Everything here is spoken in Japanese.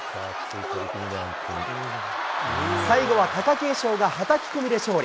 最後は貴景勝がはたき込みで勝利。